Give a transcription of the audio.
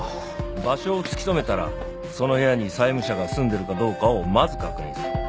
場所を突き止めたらその部屋に債務者が住んでるかどうかをまず確認する。